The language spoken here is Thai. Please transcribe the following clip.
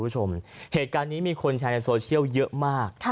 เหตุการณ์นี้มีคนแชร์ในโซเชียลเยอะมาก